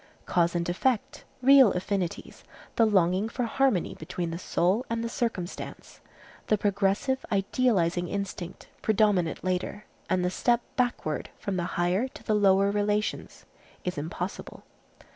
Cause and effect, real affinities, the longing for harmony between the soul and the circumstance, the progressive, idealizing instinct, predominate later, and the step backward from the higher to the lower relations is impossible.